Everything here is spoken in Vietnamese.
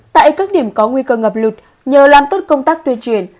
tại các điểm có nguy cơ ngập lụt nhờ làm tốt công tác tuyên truyền